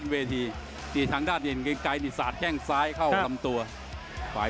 ไม่มีบางอย่างเลยนะจริงมากหลือ